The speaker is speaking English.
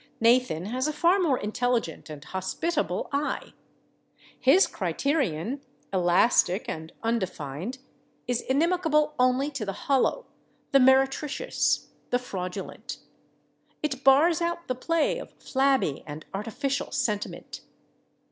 Nathan has a far more intelligent and hospitable eye. His criterion, elastic and undefined, is inimical only to the hollow, the meretricious, the fraudulent. It bars out the play of flabby and artificial sentiment.